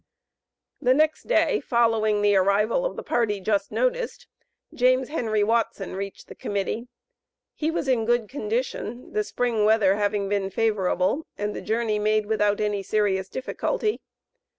The next day following the arrival of the party just noticed James Henry Watson reached the Committee. He was in good condition, the spring weather having been favorable, and the journey made without any serious difficulty.